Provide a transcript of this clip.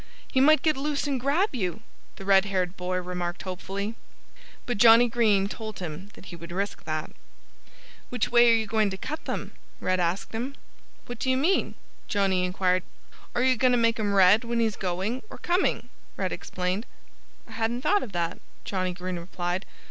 "He might get loose and grab you," the red haired boy remarked hopefully. But Johnnie Green told him that he would risk that. "Which way are you going to cut them?" Red asked him. "What do you mean?" Johnnie inquired. "Are you going to make 'em read when he's going or coming?" Red explained. "I hadn't thought of that," Johnnie Green replied.